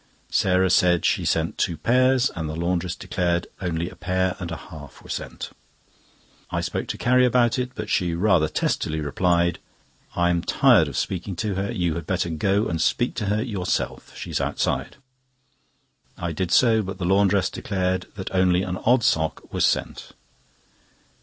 Sarah said she sent two pairs, and the laundress declared only a pair and a half were sent. I spoke to Carrie about it, but she rather testily replied: "I am tired of speaking to her; you had better go and speak to her yourself. She is outside." I did so, but the laundress declared that only an odd sock was sent.